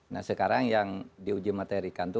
nah sekarang yang diuji materikan itu